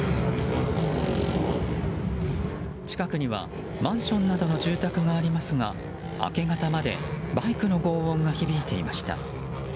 近くにはマンションなどの住宅がありますが明け方までバイクの轟音が響いていました。